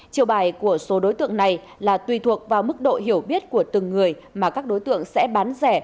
chiều bài của số đối tượng này là tùy thuộc vào mức độ hiểu biết của từng người mà các đối tượng sẽ bán rẻ